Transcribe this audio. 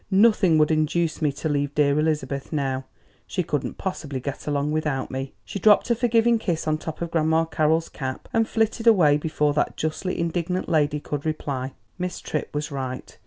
Nothing would induce me to leave dear Elizabeth now. She couldn't possibly get along without me." She dropped a forgiving kiss on top of Grandma Carroll's cap and flitted away before that justly indignant lady could reply. Miss Tripp was right.